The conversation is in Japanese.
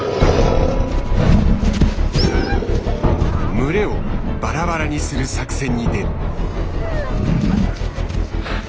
群れをバラバラにする作戦に出る。